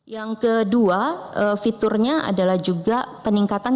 yang kedua fiturnya adalah juga peningkatan